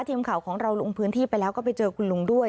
ทีมข่าวของเราลงพื้นที่ไปแล้วก็ไปเจอคุณลุงด้วย